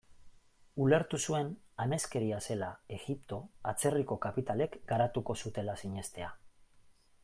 Ulertu zuen ameskeria zela Egipto atzerriko kapitalek garatuko zutela sinestea.